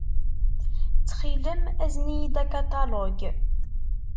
Ttxil-m, azen-iyi-d akaṭalug.